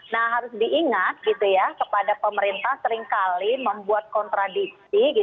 nah harus diingat kepada pemerintah seringkali membuat kontradisi